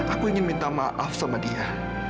aku ingin minta maaf sama dia